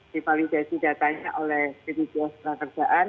divalidasi datanya oleh bgjs naga kerjaan